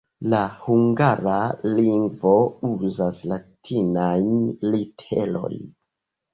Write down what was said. La hungara lingvo uzas latinajn literojn.